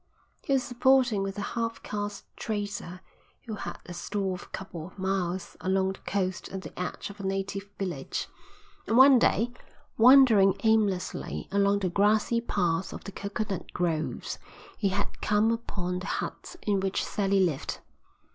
He was boarding with a half caste trader who had a store a couple of miles along the coast at the edge of a native village; and one day, wandering aimlessly along the grassy paths of the coconut groves, he had come upon the hut in which Sally lived.